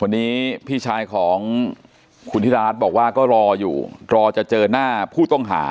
วันนี้พี่ชายของคุณธิราชบอกว่าก็รออยู่รอจะเจอหน้าผู้ต้องหา